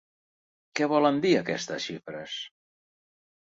Què volen dir aquestes xifres?